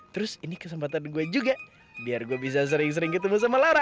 terus ini kesempatan gue juga biar gue bisa sering sering ketemu sama lara